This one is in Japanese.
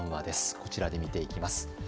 こちらで見ていきます。